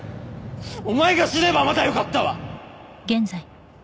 お前が死ねばまだよかったわ！